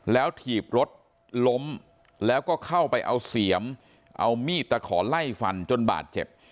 แล้วถีบรถล้มแล้วก็เข้าไปเอาเสียมเอามีดตะขอไล่ฟันจนบาดเจ็บ